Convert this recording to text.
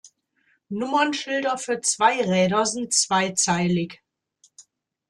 Nummernschilder für Zweiräder sind zweizeilig.